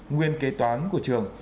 nguyên kế toán của trường